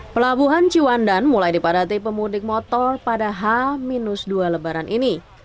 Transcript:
pelabuhan ciwandan mulai dipadati pemudik motor pada h dua lebaran ini